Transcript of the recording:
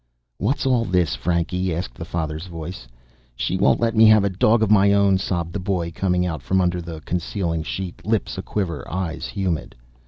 "What's all this, Frankie?" asked the father's voice. "She won't let me have a dog of my own," sobbed the boy, coming out from under the concealing sheet, lips a quiver, eyes humid.